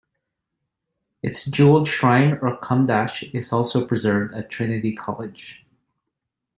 Its jewelled shrine or cumdach is also preserved at Trinity College.